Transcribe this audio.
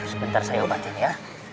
sebentar saya obatin ya